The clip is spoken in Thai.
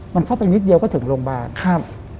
มันเข้าไปนิดเดียวก็ถึงโรงพยาบาลครับ